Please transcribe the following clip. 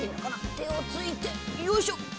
てをついてよいしょ！